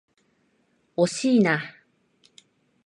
惜しいな。